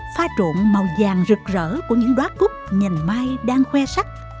pha trộn màu vàng rực rỡ của những đoá cúp nhành mai đang khoe sắc